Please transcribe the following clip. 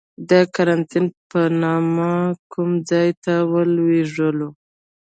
د قرنتین په نامه کوم ځای ته یې ولیږلو.